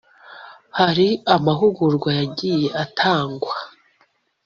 hari amahugurwa yagiye atangwa